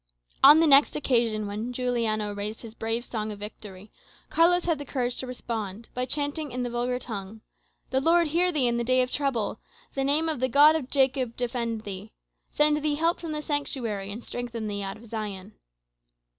On the next occasion when Juliano raised his brave song of victory, Carlos had the courage to respond, by chanting in the vulgar tongue, "The Lord hear thee in the day of trouble; the name of the God of Jacob defend thee. Send thee help from the sanctuary, and strengthen thee out of Zion."